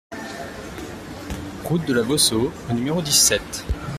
Route de la Vauceau au numéro dix-sept